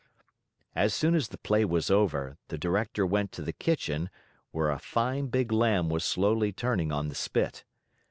As soon as the play was over, the Director went to the kitchen, where a fine big lamb was slowly turning on the spit.